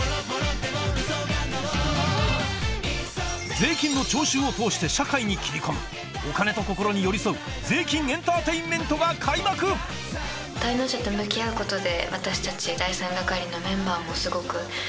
税金の徴収を通して社会に切り込むお金と心に寄り添う税金エンターテインメントが開幕話でもあると思うので。